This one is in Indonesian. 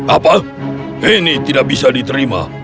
apa ini tidak bisa diterima